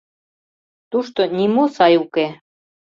Тушто нимо сай уке.